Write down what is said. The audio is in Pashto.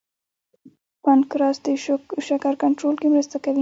پنکراس د شکر کنټرول کې مرسته کوي